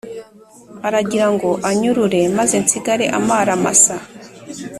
Aragira ngo anyurure, maze nsigare amaramasa